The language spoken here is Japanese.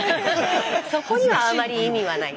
そこにはあまり意味はない。